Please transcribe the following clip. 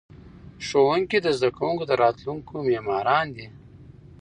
ښوونکي د زده کوونکو د راتلونکي معماران دي.